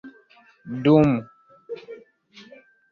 dum